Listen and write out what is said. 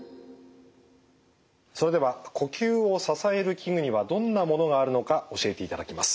それでは呼吸を支える器具にはどんなものがあるのか教えていただきます。